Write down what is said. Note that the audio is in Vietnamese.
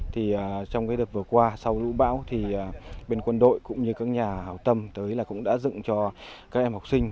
thì trong cái đợt vừa qua sau lũ bão thì bên quân đội cũng như các nhà hào tâm tới là cũng đã dựng cho các em học sinh